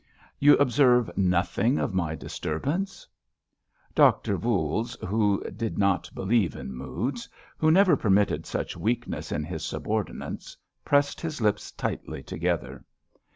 "You observe nothing of my disturbance!" Doctor Voules, who did not believe in moods, who never permitted such weakness in his subordinates, pressed his lips tightly together.